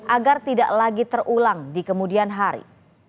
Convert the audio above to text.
agar tidak lagi terulang di kemudian hari